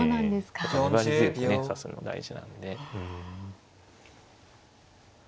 粘り強くね指すの大事なんで。